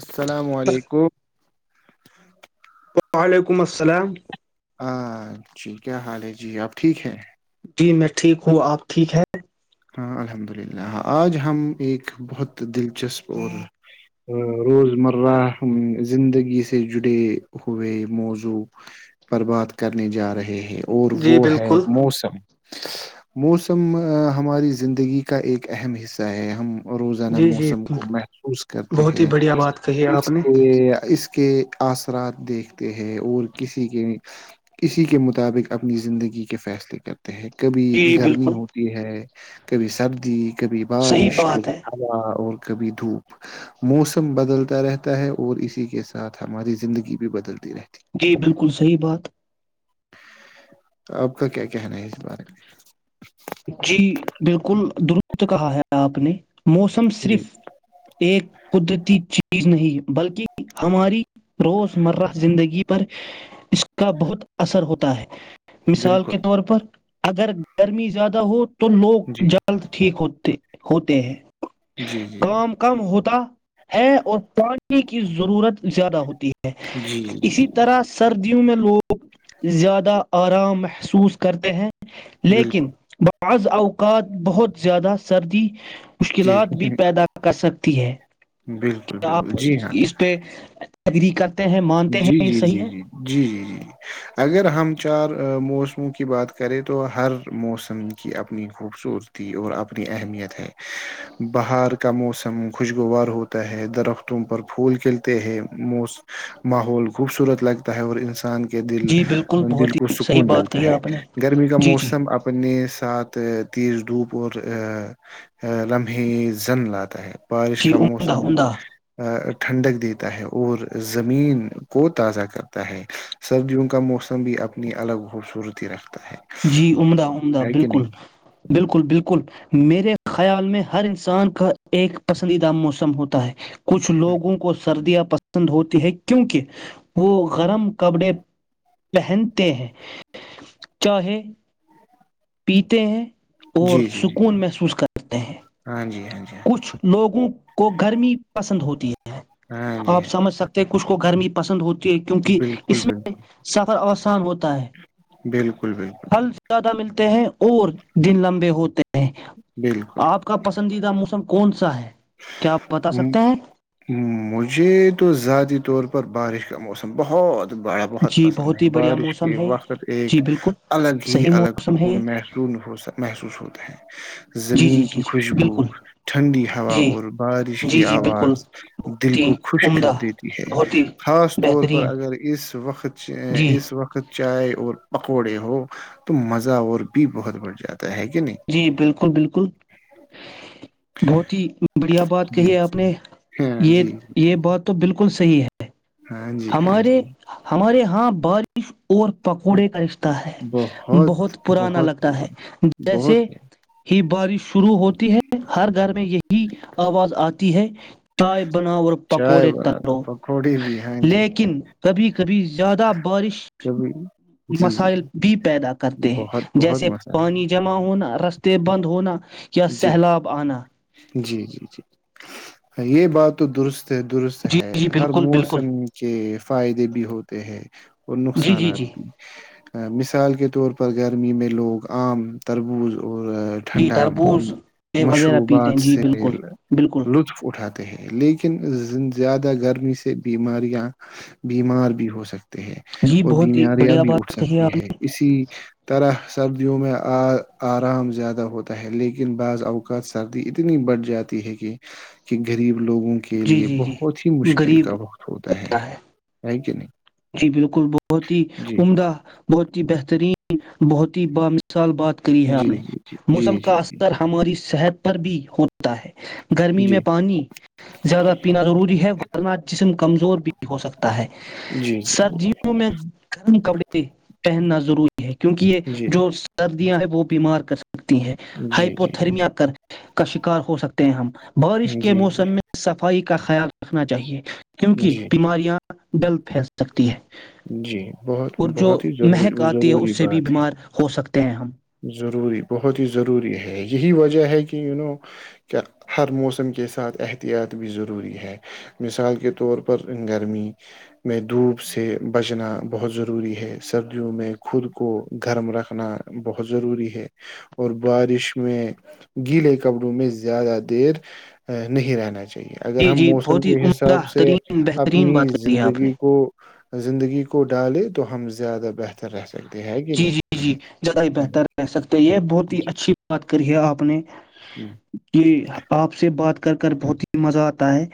السلام علیکم [unintelligible] وعلیکم السلام [unintelligible] ہاں جی کیا حال ہے جی آپ ٹھیک ہیں [unintelligible] جی میں ٹھیک ہوں آپ ٹھیک ہے ہاں الحمد للہ آج ہم ایک بہت دلچسپ اور روزمرہ زندگی سے جڑے ہوئے موضوع پر بات کرنے جا رہے ہیں [unintelligible] اور جی وہ ہے بالکل موسم [unintelligible] موسم [unintelligible] ہماری زندگی کا ایک اہم حصہ ہے ہم [unintelligible] روزانہ جی جی موسم کو محفوظ کرتے بہت ہی ہیں بڑھیا بات کہی ہے آپ اس نے کے اس [unintelligible] کے اثرات دیکھتے ہے اور کسی کے کسی کے مطابق اپنی زندگی کے فیصلے کرتے [unintelligible] کبھی جی گرمی بالکل ہوتی ہے کبھی سبدی [unintelligible] کبھی صحیح بارش بات کبھی ہے ہوا اور [unintelligible] کبھی دھوپ موسم بدلتا رہتا ہے اور اسی کے ساتھ ہماری زندگی بھی بدلتی رہتی [unintelligible] جی بالکل صحیح بات تو آپ کا کیا کہنا ہے اس بارے میں؟ [unintelligible] جی بالکل درست کہا ہے آپ نے [unintelligible] موسم میں جی صرف ایک قدرتی چیز نہیں ہے [unintelligible] بلکہ ہماری روزمرہ زندگی پر اس کا بہت اثر ہوتا ہے [unintelligible] مثال بالکل کے طور پر [unintelligible] اگر گرمی زیادہ بہت تو لوگ جی جلد ٹھیک ہوت ہوتے ہیں جی جی کام کم ہوتا ہے اور پچ پانی کی ضرورت زیادہ ہوتی ہے جی ہے جی اسی جی طرح سردی میںوگ ل زیادہ آرام محسوس کرتے ہیں لیکن بالکل بہت بعض اوقات بہت زیادہ سردی جی مشکلات بھی پیدا کر سکتے تی ہے بالکل آپ بالکل جی ہاں اس پہ ایگگریکلر جی جی جی جی جی جی جی اگر ہم چار موسموں کی بات کریں تو ہر موسم کی اپنی خوبصورتی اور اپنی اہمیت ہے بہار کا موسم خوشگوار ہوتا ہے درختوں پر پھول کھلتے ہیںو ماحول خوبصورت لگتا ہے اور انسان دل جی بالکل دل بہت کو ہی صحیح سکون بات ملتا کہی ہے آپ نے گرمی کا جی جی موسم اپنے ساتھ تیز دھوپ اور لمحے زن لاتا ہے بارش جی کا عمدہ موسم عمدہ ٹھنڈک دیتا ہے اور زمین کو تازہ کرتا ہے سردیوں کا موسم بھی اپنی الگ خوبصورتی رکھتا ہے جی عمدہ عمدہ ہے کہ بالکل نہیں بالکل بالکل میرے خیال میں ہر انسان کا ایک پسندیدہ موسم ہوتا ہے کچھ لوگوں کو سردیاں پسند ہوتی ہے کیونکہ وہ گرم کپڑے پہنتے ہیں چاہے پیتے ہیں اور جی جی جی سکون محسوس کرتے ہیں ہاں جی ہاں جی ہاں کچھ لوگوں کو گرمی پسند ہوتی ہیں ہاں جی آپ ہاں سمجھ سکتے ہیں کچھ کو گرمی پ پسند ہوتا کیونکہ بالکل اس میں بالکل سفر آسان ہوتا ہے بالکل بالکل پھل زیادہ ملتا ہیں اور دن لمبے ہوتے ہیں ہیں بالکل آپ کا پسندیدہ موسم کون سا ہے کیا آپ بتا ہ سکتے ہیں مجھے تو ذاتی طور پر بارش کا موسم بہت باڑا بہت جی پسند ہے ہی بڑھیا بارش موسم کے ہے وقت ایک جی بالکل الگ ہی صحیح الگ موسم ہے یہ سکون محسون ہو محسوس ہوتا ہیں جی جی زمین کی جی جی خوشبو بالکل ٹھنڈی ہوا جی اور بارش جی کی جی بالکل آواز بہت دل ہی کو خوشک کر عمدہ دیتی ہے بہت ہی خاص طور پر بہترین اگر اس وقت جی اس وقت چائے اور پکوڑے ہو تو مزہ اور بھی بہت بڑھ جاتا ہے کہ نہیں جی بالکل بالکل بہت ہی بڑھیا بات کہی جی ہے آپ نے ہاں یہ جی یہ بات تو بالکل صحیح ہے ہاں جی ہاں ہمارے جی ہمارے ہاں بارش اور پکوڑے کا رشتہ ہے بہت پرانا بہت لگتا ہے بہت جیسے بہت ہی بارش شروع ہوتی ہے ہر گھر میں یہی آواز آتی ہے چائے بناؤ اور چائے پکوڑے بنا دو تڑو پکوڑے بھی ہاں جی لیکن تبھی کبھی زیادہ بارش کبھی جی جی مسائل بھی پیدا کرتے بہت ہیں بہت جیسے مسالہ پانی جمع ہونا رستے بند ہونا یا جی سیلاب آنا جی جی جی یہ بات تو درست سے درست جی ہے جی ہر بالکل بالکل موسم کے فائدے بھی ہوتے کہ ہیں اور جی جی نقصانات جی بھی مثال کے طور پر گرمی میں لوگ عام تربوز اور جی ٹھنڈا تربوز یہ وغیرہ پیتے مشروبات ہیں جی سے بالکل بالکل لطف اٹھاتا ہیں لیکن زیادہ گرمی سے بیماریاں بیمار بھی ہو س جی اور بہت ہی بیماریاں بڑھیا بھی اٹھ بات کہی سکتی آپ ہے اسی طرح سردیوں میں آ آرام زیادہ ہوتا ہے لیکن بعض اوقات سردی اتنی بڑھ جاتی ہے کہ کہ غریب لوگوں کے نے جی لیے جی جی بہت ہی مشکل کا غریب وقت ہوتا ہے ہے کہ نہیں جی بالکل بہت ہی جی عمدہ بہت ہی بہترین بہت ہیام سال بات کری ہے ہمپ جی نے جی جی موسم جی کا جی اثر ہماری صحت پر پر بھی ہوتا ہے گرمی میں جی پانی زیادہ پینا ضروری ہے ورنہ جسم کمزور بھی ہو سکتا ہے جی جی سر جیوں میں گم کبڑے کہنناضروری کیونکہ یہ جی جو سردیاں ہیں وہ پی مارک سکتی ہیں جی ہائپو جی تھرمیا کر کا شکار ہو سکتے ہیں ہم بارش کے جی موسم میں صفائی کا خیال رکھنا چاہیے کیونکہ جی بیماریاں بل پھیس سکتی ہے جی بہت اور جو بہت ہی مہک ضروری آتی ہے ضروری اس سے بھی بات ہے بیمار ہو سکتے ہیں ہم ضروری بہت ہی ضروری ہے یہی وجہ ہے کہ ی نو کیا ہر موسم کے ساتھ احتیاط بھی ضروری ہے مثال کے طور پر گرمی میں دھوپ سے بچنا بہت ضروری ہے سردیوں میں خود کو گرم رکھنا بہت ضروری ہے اور بارش میں گیلے کپڑوں میں زیادہ دیر نہیں رہنا چاہیے اگر جی ہم جی موسم بہت ہی کے عمدہ حساب سے ترین بہترین اپنی بات کری ہے آپ نے زندگی کو زندگی کو ڈالے تو ہم زیادہ بہتر رہ سکتے ہیں ہے کہ جی نہیں جی جی زیادہ ہی ہوں، بہتر رہ سکتے یہ بہت ہی جی اچھی بات کری ہے آپ نے کہ آپ سے بات کر کر بہت ہی مزہ آتا ہے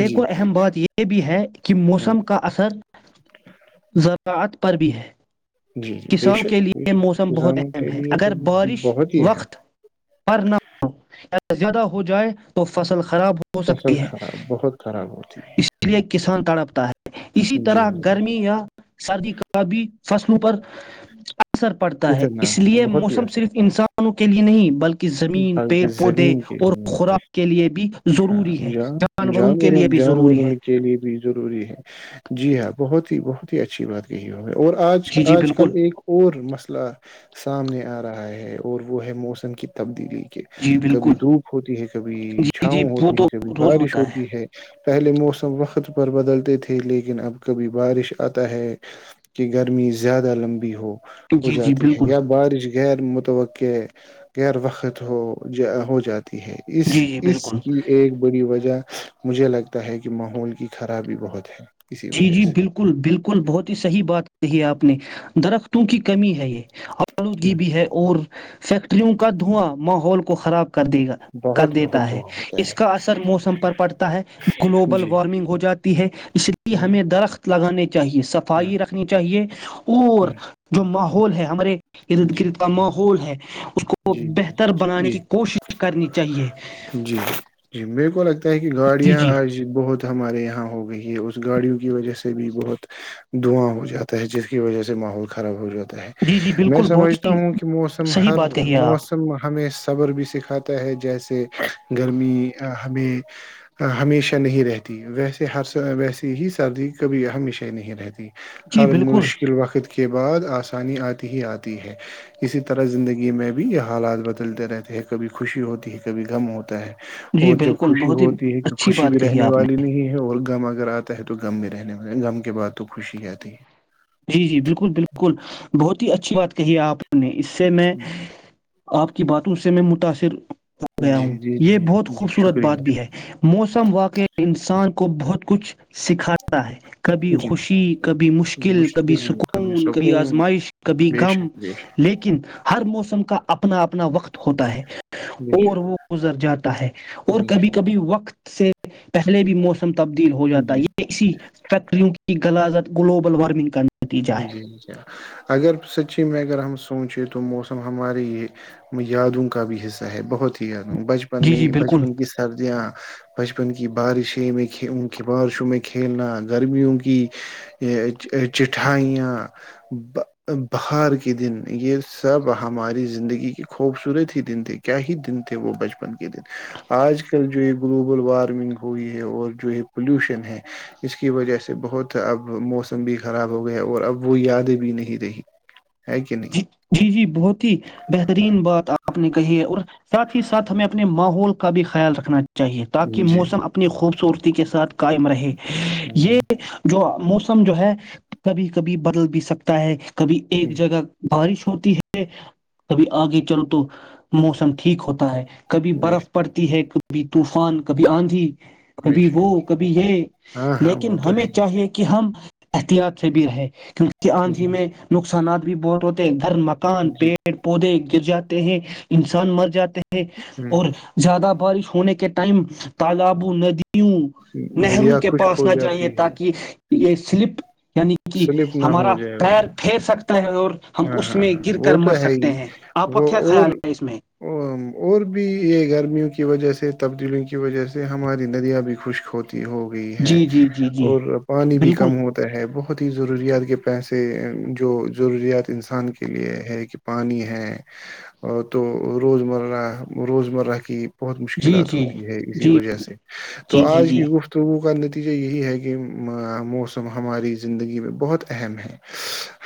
ایک جی اور اہم بات یہ بھی ہے کہ ہاں، موسم کا اثر زرا عات پر بھی ہے جی جی بے کسان شک کے بے لیے شک موسم بہت کسانوں اہم کے ہے لیے تو اگر بارش بہت ہی اہم وقت پر نہ ہو زیادہ ہو جائے تو فصل کا فصل خراب بہت خراب ہوتی ہے اس لیے کسان تڑپتا ہے اسی جی طرح جی گرمی یا سردی کا بھی فسم پر اچ اثر پڑتا ہے اتنا اس لیے بہت ہی موسم صرف اثر انسانوں کے لیے نہیں بلکہ زمین بلکہ پیڑ پودے زمین کے اور لیے خوراک کے لیے بھی ضروری ہے ہاں جانوروں کے جانور لیے بھی ضروری جانوروں ہے کے لیے بھی ضروری ہے جی ہاں بہت ہی بہت ہی اچھی بات کہی ہوگ ہے اور آج جی جی آج کل بالکل ایک اور مسئلہ سامنے آ رہا ہے اور وہ ہے موسم ک [unintelligible] تبدیلی جی [unintelligible] بالکل کبھی دھوپ ہوتی ہے کبھی جی جی چھاؤں وہ ہوتی ہے تو کبھی روز بارش ہوتا ہوتی ہے پہلے موسم [unintelligible] تو وقت پر بدلتے تھے لیکن اب کبھی بارش آتا ہے کہ گرمی زیادہ لمبی ہو [unintelligible] ہو جی جی جاتی ہے بالکل یا بارش [unintelligible] غیر متبک [unintelligible] غیر وقت ہو ہو جاتا [unintelligible] ہے اس جی جی اس بالکل کی ایک بڑی وجہ [unintelligible] مجھے لگتا ہے کہ ماحول کی خرابی بہت ہے [unintelligible] جی وجہ جی بالکل بالکل بہت ہی صحیح بات کہی ہے آپ نے درخت تو کی کمی ہے یہ [unintelligible] آلو سے جی بھی ہے اور [unintelligible] فیکٹریوں کا دھواں ماحول کو خراب کیا کر دے گا کر بہت بہت دیتا ہے دعا ہوتا اس ہے کا اثر موسم پر پڑتا ہے گلوبل جی وارمنگ ہو جاتی [unintelligible] ہے ج [unintelligible] ہوں، ہمیں درخت لگانے کے چاہیے ہاں صفائی رکھنی چاہیے اور ہوں، جو ماحول [unintelligible] گول ہے ہمارے [unintelligible] ارد گرد کا ماحول ہے [inaudible] جی جی جی بہتر بنانے جی جی کی کوشش کرنی چاہیے جی جی جی میرے کوگ [unintelligible] تاکہ جی گاڑیاں جی آج بہت [unintelligible] ہمارے یہاں ہو گئی ہے اس گاڑیوں کی وجہ سے بھی بہت دواں ہو جاتا ہے جس کی وجہ سے ماحول خراب ہو جاتا جی جی [unintelligible] میں بالکل بہت سمجھتا ہی ہوں کہ موسم صحیح ہر بات کہی ہے آپ موسم حمیش [unintelligible] صبر بھی سکھاتا ہے جیسے گرمی ہمیں ہمیشہ نہیں رہتی ویسے ہر ویسے ہی سردی کبھی ہمیشہ ہی نہیں رہتی جی ہر بالکل مشکل وقت کے بعد آسانی آتی ہی آتی ہے اسی طرح زندگی میں بھی [unintelligible] کبھی یہ حالات بدلتے رہتے ہیں کبھی خوشی ہوتی ہے کبھی غم ہوتا ہے [unintelligible] جی اور جب بالکل خوشی بہت ہی ہوتی ہے تو اچھی خوشی بات بھی کہی ہے رہنے آپ نے والی نہیں ہے اور غم اگر آتا ہے تو غم بھی رہنے والے غم کے بعد تو خوشی آتی ہے [unintelligible] جی جی بالکل بالکل بہت ہی اچھی بات کہیے آپ نے اس [unintelligible] سے میں آپ کی باتوں سے میں متاثر ہو گیا جی ہوں جی یہ جی بہت جی خوبصورت شکریہ بات بھی ہے موسم واقع انسان کو بہت کچھ سکھاتا ہے کبھی جی خوشی کبھی مشکل ل کبھی مشکل سکون کبھی سکون آزمائش کبھی بے م شک بے لیکن ہر موسم کا اپنا اپنا وقت ہوتا ہے شک بے اور وہ گزر جاتا ہے شک اور بے شک کبھی کبھی وقت سے پہلے بھی موس تبدیل ہو جاتا ہے جی یہ اسی فیکٹریوں کی کی غلازت گلوب وارمنگ ک جی ج اگر سچی میں اگر ہم سوچے تو تو موسم ہمارے یہ یادوں کا بھی حصہ ہے بہت ہی بچپن جی میں جی ہی بالکل بچپن کی سردیاں بچپن کی بارشیں میں ان کی بارشوں میں کھیلنا گرمیوں کی چٹھائیاں بہار کے دن یہ سب ہماری زندگی کے خوبصورت ہی دن تھے کیا ہی دن تھے وہ بچپن کے دن آج کل جو یہ گلوبل وارمنگ ہوئی ہے اور جو یہ پلیوشن ہے اس کی وجہ سے بہت اب موسم بھی خراب ہو گیا اور اب وہ یاد بھی نہیں رہی ہے کہ جی نہیں جی جی بہت ہی بہترین بات آپ اپ نے کہیے اور ساتھ ہی ساتھ ہمیں اپنے ماحول کا بھی خیال رکھنا چاہے چاہیے تاکہ جی جی موسم اپنی خوبصورتی کے ساتھ قائم رہے جی یہ جو موسم جو ہے کبھی کبھی بدل بھی سکتا ہے کبھی ایک جی، جگہ بارش ہوتی ہے کبھی آگے چلو تو موسم ٹھیک ہوتا ہے کبھی بے برف پڑتی ہے کبھی طوفان کبھی آندھی بے کبھی شک وہ کبھی یہ ہاں ہاں وہ لیکن تو ہمیں ہے ہی چاہیے کہ ہم احتیاط سے بھی رہے کیونکہ جی آندھی میں نقصان صانات بھی بہت ہو گھر مکان جی پیڑ پودے گر جاتے ہیں انسان مر جاتے ہیں ہے ہ اور زیادہ بارش ہونے کے ٹائم تالابوں ندیوں نہروں دریا کے خشک پاس ہو نہ جاتی جائیے ہے تاکہ یہ سلپ یعنی کہ سلپ نہ ہو ہمارا جائے پیر پھیر سکتا ہے اور ہم ہاں اس ہاں میں ہاں گر کر وہ تو مر ہے ہی سکتے ہیں آپ کا وہ کیا اور خیال ہے اس میں اور بھی یہ گرمیوں کی وجہ سے تبدیلیوں کی وجہ سے ہماری ندیاں بھی خشک ہوتی ہو گئی ہے جی جی جی جی اور پانی بھی بالکل کم ہوتا ہے بہت بہت ہی ضروریات کے پیسے جو ضروریات انسان کے لیے ہے کہ پانی ہے اور تو روزمرہ روزمرہ کی بہت جی مشکلات جی ہوتی ہے اسی جی وجہ سے تو جی جی جی آج کی جی گفتگو کا نتیجہ نتیجہ یہی ہے کہ موسم ہماری زندگی میں بہت اہم ہے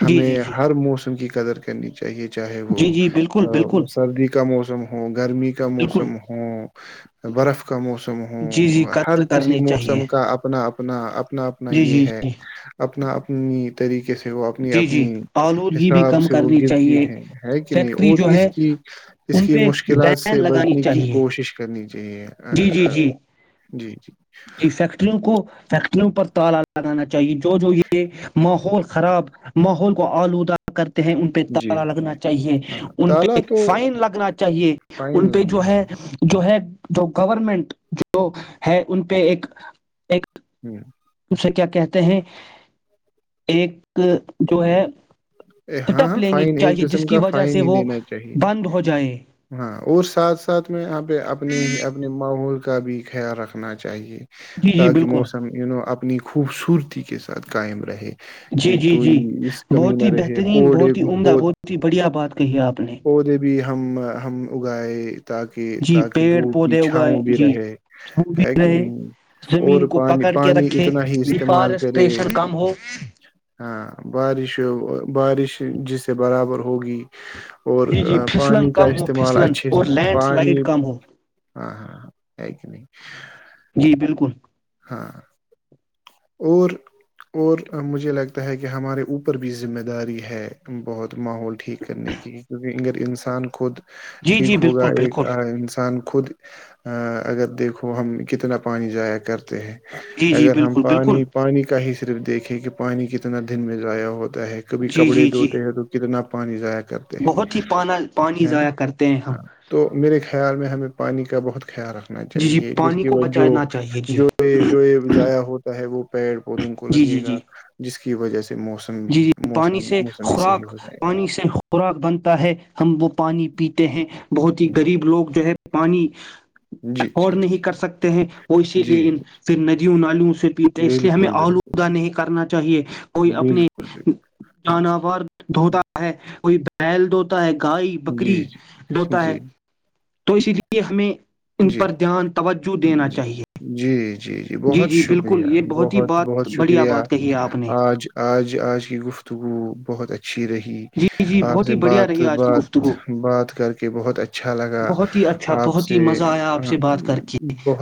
ہمیں جی جی ہر موسم کی قدر کرنی چاہیے چاہے وہ جی جی بالکل بالکل سردی کا موسم م ہوگا [unintelligible] گرمی کا بالکل موسم ہو برف کا موسم جی جی ہو ہر قدر کسی کرنی چاہیے موسم کا اپنا اپ اپنا اپنا اپنا جی یہ جی ہے جی اپنا اپنا طریقے سے اپنی جی جی اپنی آلودگی بھی حساب کم سے وہ کرنی گرتی چاہیے ہے ہے کہ نہیں فیکٹری اور جو اس ہے کی اس ان کی پہ مشکلات بین سے لگانی بچنے کی چاہیے کوشش کرنی چاہیے جی جی جی جی جی کی فیکٹریوں کو فیکٹریوں تالا لگانا چاہیے جو جو یہ ماحول خراب [unintelligible] ماحول کو آلودہ کرتے ہیں ان پہ جی تالا لگنا چاہیے ہاں ان تالا پہ تو فائن لگنا چاہیے ان فائن پہ لگنا جو ہے چاہیے جو ہے [unintelligible] جو گورنمنٹ جو ہے ان پہ ایک ایک ہوں [unintelligible] کیا کہتے ہیں ایک [unintelligible] جو ہے ہاں اسٹیپ ہاں لینی فائن ایک چاہیے جس قسم کی کا وجہ فائن سے ہی وہ دینا چاہیے بند ہو جائے ہاں اور ساتھ ساتھ میں یہاں پہ اپنے ہی اپنے ماحول [unintelligible] کا بھی خیال رکھنا چاہیے [unintelligible] جی جی تاکہ بالکل موسم نو [unintelligible] اپنی خوبصورتی کے ساتھ قائم رہے [unintelligible] جی کہ جی کوئی جی [unintelligible] اس کمی بہت میں ہی رہے بہترین پڑے بہت ہی عمدہ پود بہت ہی بڑھیا بات کہی ہے آپ نے پودے بھی ہم ہم [unintelligible] گ گائے [unintelligible] تاکہ جی تاکہ پیڑ د پودے اگائے بچھاؤں بھی جی رہے ہو بھی ہے کہ رہے نہیں اور زمین کو پانی پکڑ کے پانی رکھے اتنا ہی استعمال کرے ڈیفارسٹریشن کم ہو ہاں [unintelligible] بارش بارش جس سے برابر ہوگی اور جی جی پھسلن پانی کا کم ہو استعمال پھسلن اچھے سے اور لینڈ پانی سلائڈ کم ہو ہاں ہاں ہاں ہے کہ نہیں جی بالکل ہاں اور اور مجھے لگتا ہے کہ کہ ہمارے اوپر بھی ذمہ داری ہے بہت ماحول ٹھیک کرنے کی کیونکہ اگر انسان خود جی جی ٹھیک ہوگا بالکل ایک بالکل انسان خود ا اگر دیکھو ہم کتنا پانی جایا کرتے ہیں جی جی اگر ہم بالکل بالکل پانی پانی کا ہی صرف دیکھ ھ کہ پانی کی اتنا دن میں جایا ہو تا ہے کبھی جی کپڑے جی جی دھوتے ہیں تو کتنا پانی ائق ہے بہت ہی پانا پانی نا ضائع کرتے ہیں ہم ہاں تو میرے خیال میں ہمیں پانی کا بہت خیال رکھنا جی جی چاہیے جس پانی کی کو وجہ بچانا چاہیے جی جو یہ جو یہ ضائع ہوتا ہے وہ پیڑ پودوں کو جی جی لگے جی گا ج اس کی وجہ سے موسم بھی جی جی پانی موسم سے موسم بھی صحیح خوراک ہو جائے پانی سے خوراک بنتا ہے ہم وہ پانی پیتے ہیں بہت ہی گا غریب لوگ چے پانی جی افورڈ جی جی نہیں کر سکتے ہیں وہ اسی جی لیے جی پھر ندیوں نالیوں سے پیتے اس لیے ہمیں بالکل بالکل آلودہ نہیں کرنا چاہیے کوئی اپنے بالکل بالکل جانور دھوتا ہے کوئی ب ہیل د ہوتا ہے گائے بکری جی جی دھوتا ہے جی تو اسی لیے ہمیں ان جی پر دھیان توجہ دینا جی چاہیے جی جی جی بہت بالکل شکریہ یہ ہی بہت بہت بات بڑھیا شکریہ بات کہی ہے آپ نے آج آج آج کی گفتگو بہتچا اچھی رہی جی جی آپ بہت سے ہی بڑھیا بات رہی آج کی بات گفتگو بات کر کے بہت اچھا لگا بہت ہی اچھا آپ سے بہت مزہ آیا آپ آ، سے بات کر کے بہت